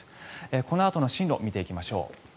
このあとの進路を見ていきましょう。